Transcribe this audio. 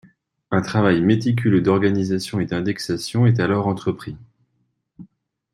Un travail méticuleux d'organization et d'indexation est alors entrepris.